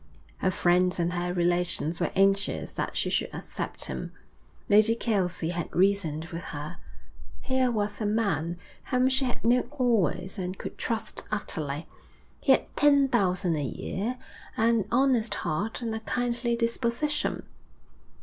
Her friends and her relations were anxious that she should accept him. Lady Kelsey had reasoned with her. Here was a man whom she had known always and could trust utterly; he had ten thousand a year, an honest heart, and a kindly disposition.